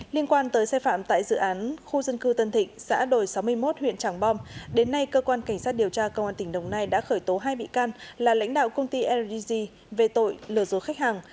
cơ quan cảnh sát điều tra công an tỉnh đồng nai xác định nguyễn quốc vi liêm xã đồi sáu mươi một huyện tràng bom đến nay cơ quan cảnh sát điều tra công an tỉnh đồng nai đã khởi tố hai bị can là lãnh đạo công ty ldg về tội lừa dối khách hàng